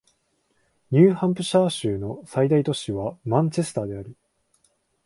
ニューハンプシャー州の最大都市はマンチェスターである